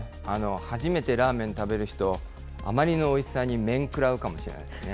初めてラーメン食べる人、あまりのおいしさに面食らうかもしれないですね。